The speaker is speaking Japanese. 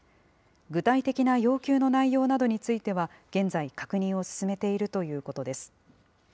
具体的な要求の内容などについては、現在、確認を進めているということです。